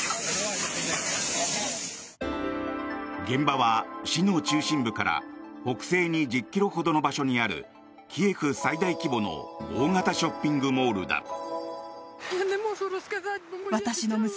現場は市の中心部から北西に１０ｋｍほどの場所にあるキエフ最大規模の大型ショッピングモールだ。